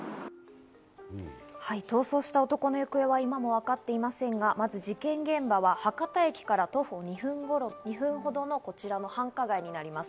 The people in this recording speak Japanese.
逃走した男の行方は今もわかっていませんが、まず、事件現場は博多駅から徒歩２分ほどのこちらの繁華街です。